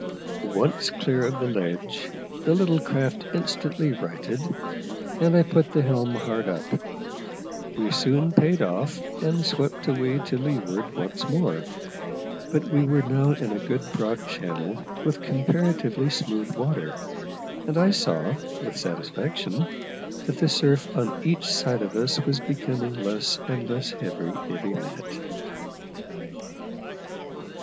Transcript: Once clear of the ledge, the little craft instantly righted, and I put the helm hard up. We soon paid off, and swept away to leeward once more; but we were now in a good broad channel, with comparatively smooth water, and I saw, with satisfaction, that the surf on each side of us was becoming less and less heavy every minute.